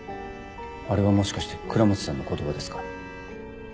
あれはもしかして倉持さんの言葉ですか？